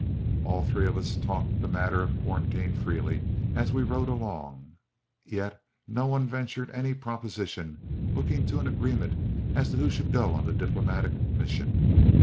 All three of us talked the matter of quarantine freely as we rode along, yet no one ventured any proposition looking to an agreement as to who should go on the diplomatic mission.